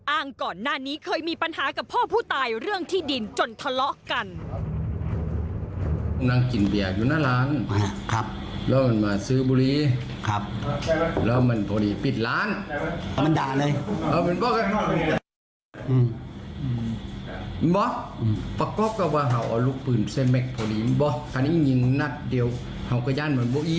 ก่อนหน้านี้เคยมีปัญหากับพ่อผู้ตายเรื่องที่ดินจนทะเลาะกัน